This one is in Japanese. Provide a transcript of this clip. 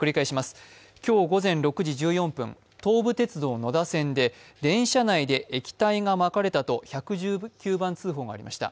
今日午前６時１４分、東武鉄道野田線で電車内で液体がまかれたと１１９番通報がありました。